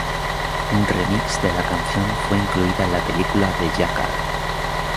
Un remix de la canción fue incluida en la película "The Jackal".